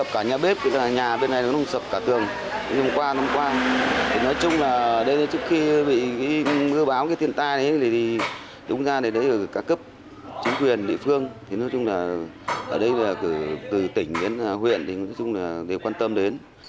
chính quyền địa phương ở đây từ tỉnh đến huyện đều quan tâm đến